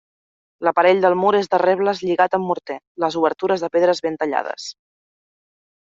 L'aparell del mur és de rebles lligats amb morter; les obertures de pedres ben tallades.